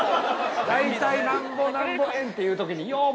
大体なんぼなんぼ円っていう時によー